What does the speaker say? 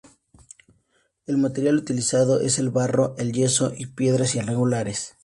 El material utilizado es el barro, el yeso y piedras irregulares.